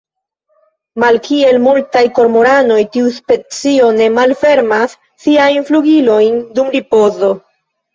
Malkiel multaj kormoranoj, tiu specio ne malfermas siajn flugilojn dum ripozo.